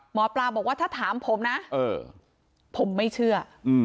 หมอปลาบอกว่าถ้าถามผมนะผมไม่เชื่อ